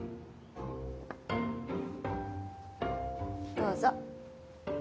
どうぞ。